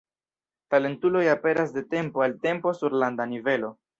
Talentuloj aperas de tempo al tempo sur landa nivelo.